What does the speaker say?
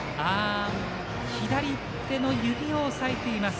左手の指を押さえています。